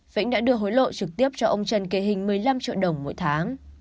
vĩnh đã đưa hối lộ trực tiếp cho ông trần kỳ hình một mươi năm triệu đồng mỗi tháng